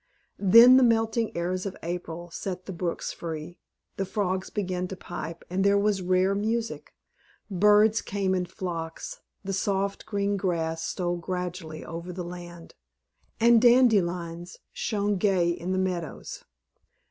Then the melting airs of April set the brooks free, the frogs began to pipe, and there was rare music! Birds came in flocks, the soft green grass stole gradually over the land, and dandelions shone gay in the meadows.